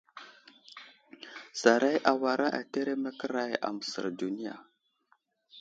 Saray awara ateremeke aray aməsər duniya.